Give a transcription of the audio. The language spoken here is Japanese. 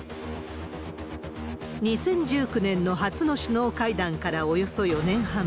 ２０１９年の初の首脳会談から、およそ４年半。